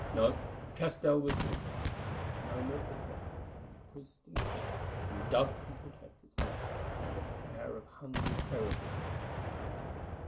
No, Castell was doomed, and he could no more protect him from priest and king than a dove can protect its nest from a pair of hungry peregrines.